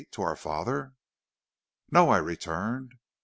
to our father?' "'No,' I returned.